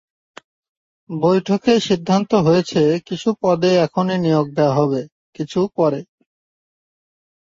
বৈঠকে সিদ্ধান্ত হয়েছে, কিছু পদে এখনই নিয়োগ দেওয়া হবে, কিছু পরে।